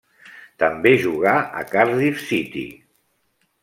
També jugà a Cardiff City.